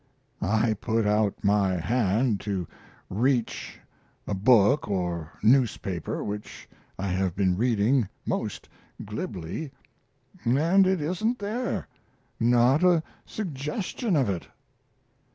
I put out my hand to reach a book or newspaper which I have been reading most glibly, and it isn't there, not a suggestion of it."